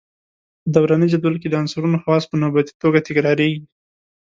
په دوراني جدول کې د عنصرونو خواص په نوبتي توګه تکراریږي.